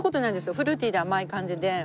フルーティーで甘い感じで。